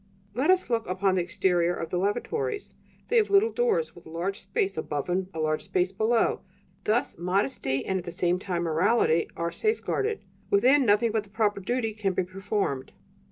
Let us look at the exterior of the lavatories; they have little doors with a large space above and a large space below; thus modesty, and at the same time morality, are safeguarded; within, nothing but the proper duty can be performed.